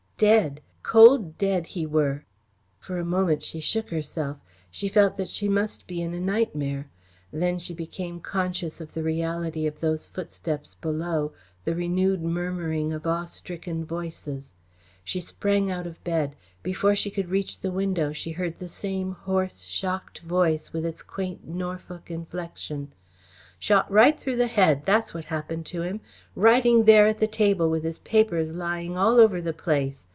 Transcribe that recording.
"Dead! Cold dead he were!" For a moment she shook herself. She felt that she must be in a nightmare. Then she became conscious of the reality of those footsteps below, the renewed murmuring of awe stricken voices. She sprang out of bed. Before she could reach the window, she heard the same hoarse, shocked voice, with its quaint Norfolk inflexion. "Shot right through the head, that's what happened to him. Writing there at the table with his papers lying all over the place.